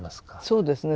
そうですね。